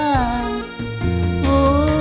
สวัสดีครับทุกคน